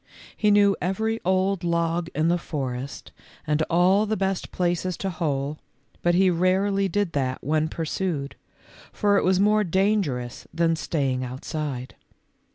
129 He knew every old log in the forest and all the best places to hole, but he rarely did that when pursued, for it was more dangerous than staying outside.